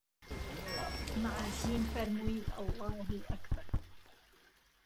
معەزين فهرموی ئهڵڵاهوو ئهکبەر